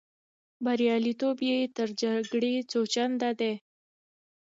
بریالیتوب یې تر جګړې څو چنده دی.